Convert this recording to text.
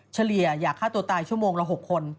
เฉลี่ยอยากฆ่าตัวตายชั่วโมงละ๖คน